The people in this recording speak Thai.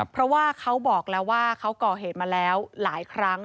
เพราะว่าเขาบอกแล้วว่าเขาก่อเหตุมาแล้วหลายครั้ง